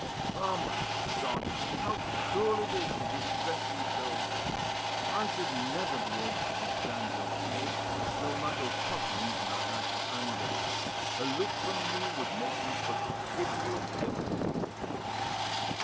Ah, my God! how cruel it is to distress you so! I should never be able to withstand your tears; no matter what reason I had for anger, a look from you would make me forgive you everything."